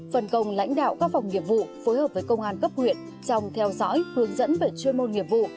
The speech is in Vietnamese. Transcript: phần công lãnh đạo các phòng nghiệp vụ phối hợp với công an cấp huyện trong theo dõi hướng dẫn về chuyên môn nghiệp vụ